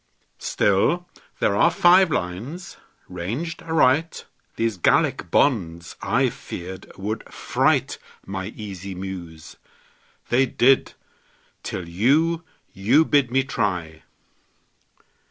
Still, there are five lines ranged aright. These Gallic bonds, I feared, would fright My easy Muse. They did, till you You bid me try!